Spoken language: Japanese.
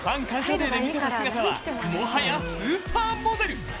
デーで見せた姿はもはやスーパーモデル。